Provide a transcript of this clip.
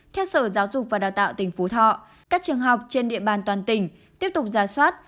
theo sở giáo dục và đào tạo tỉnh phú thọ các trường học trên địa bàn toàn tỉnh tiếp tục ra soát